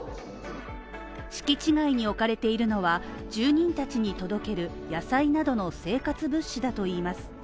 敷地外に置かれているのは住人たちに届ける野菜などの生活物資だといいます。